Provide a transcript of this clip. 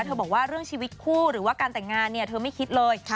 บอกว่าเรื่องชีวิตคู่หรือว่าการแต่งงานเนี่ยเธอไม่คิดเลย